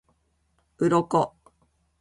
鱗